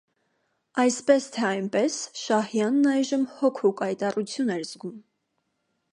Այսպես, թե այնպես, Շահյանն այժմ հոգու կայտառություն էր զգում: